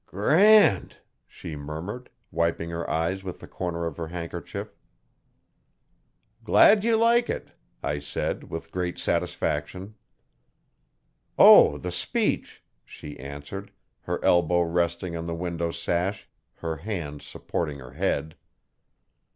'Grand!' she murmured, wiping her eyes with the corner of her handkerchief. 'Glad you like it,' I said, with great satisfaction. 'O, the speech!' she answered, her elbow resting on the window sash, her hand supporting her head.